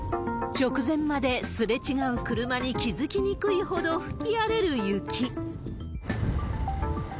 直前まで、すれ違う車に気付きにくいほど吹き荒れる雪。